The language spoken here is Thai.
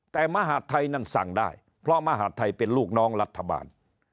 แต่มหาดไทยนั่นสั่งได้เพราะมหาดไทยเป็นลูกน้องรัฐบาล